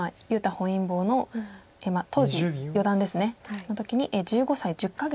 本因坊の当時四段ですねの時に１５歳１０か月が。